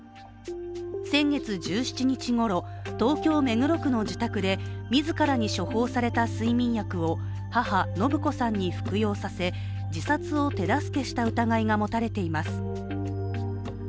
先月１７日ごろ、東京・目黒区の自宅で自らに処方された睡眠薬を母・延子さんに服用させ自殺を手助けした疑いが持たれています。